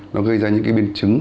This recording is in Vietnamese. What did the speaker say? nó gây ra những cái biến chứng